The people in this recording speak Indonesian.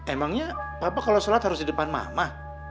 emangnya papa kalo sholat harus didepan mama